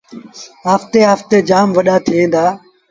آهستي آهستي وڏآ ٿئيٚݩ دآ۔